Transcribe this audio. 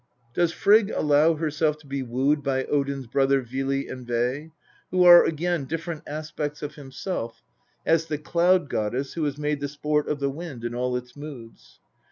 Does Frigg allow herself to be wooed by Odin's brothers Vili and Ye", who are again different aspects of himself, as the cloud goddess, who is made the sport of the wind in all its moods